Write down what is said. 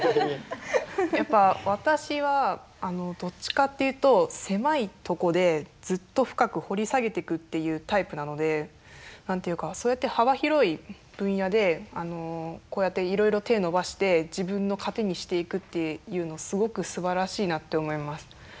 やっぱ私はどっちかっていうと狭いとこでずっと深く掘り下げていくっていうタイプなので何て言うかそうやって幅広い分野でこうやっていろいろ手伸ばして自分の糧にしていくっていうのすごくすばらしいなって思います。